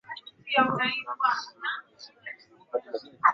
programu yako inajadili uendeshaji wa kilimo